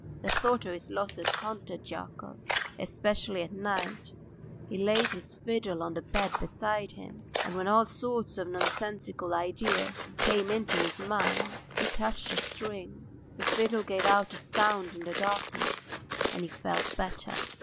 The thought of his losses haunted Yakov, especially at night; he laid his fiddle on the bed beside him, and when all sorts of nonsensical ideas came into his mind he touched a string; the fiddle gave out a sound in the darkness, and he felt better.